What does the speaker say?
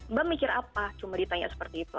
mbak mikir apa cuma ditanya seperti itu